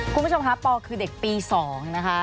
คุณผู้ชมค่ะปอคือเด็กปี๒นะคะ